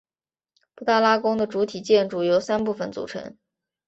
布达拉宫的主体建筑由三部分组成。